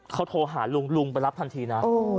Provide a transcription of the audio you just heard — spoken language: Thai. เขาโทรหาลุงลุงไปรับทันทีนะ